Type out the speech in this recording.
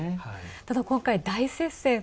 ただ、今回大接戦。